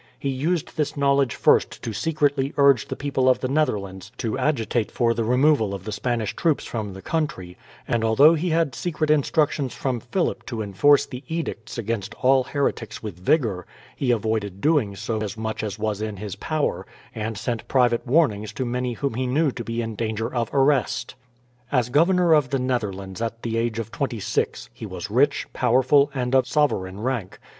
He used this knowledge first to secretly urge the people of the Netherlands to agitate for the removal of the Spanish troops from the country; and although he had secret instructions from Philip to enforce the edicts against all heretics with vigour, he avoided doing so as much as was in his power, and sent private warnings to many whom he knew to be in danger of arrest. As Governor of the Netherlands at the age of twenty six, he was rich, powerful, and of sovereign rank.